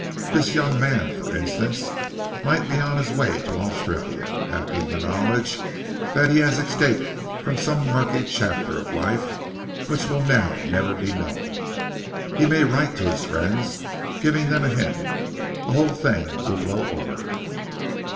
This young man, for instance, might be on his way to Australia, happy in the knowledge that he has escaped from some murky chapter of life which will now never be known. He may write to his friends, giving them a hint. The whole thing will blow over."